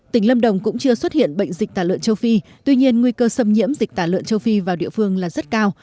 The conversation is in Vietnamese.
tỉnh lâm đồng cũng chưa xuất hiện bệnh dịch tả lợn châu phi tuy nhiên nguy cơ xâm nhiễm dịch tả lợn châu phi vào địa phương là rất cao